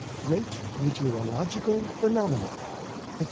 GREAT METEOROLOGICAL PHENOMENA, ETC.